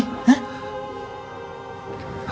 aku mendapat telepon pak dari singapura